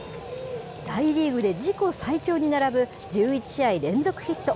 大リーグで自己最長に並ぶ、１１試合連続ヒット。